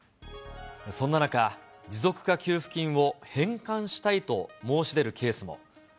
そんな中、持続化給付金を返還したいと申し出るケースも。